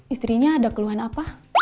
istrinya ada keluhan apa